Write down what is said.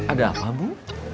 ada apa bu